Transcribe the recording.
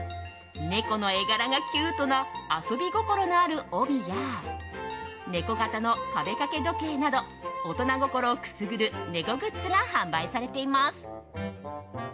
猫の絵柄がキュートな遊び心のある帯やネコ型の壁掛け時計など大人心をくすぐる猫グッズが販売されています。